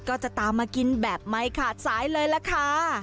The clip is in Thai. ก็จะตามมากินแบบไม่ขาดสายเลยล่ะค่ะ